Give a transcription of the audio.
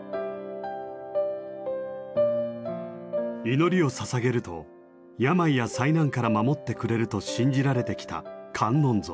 祈りを捧げると病や災難から守ってくれると信じられてきた観音像。